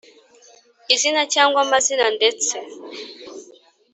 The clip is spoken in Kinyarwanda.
Izina cyangwa amazina ndetse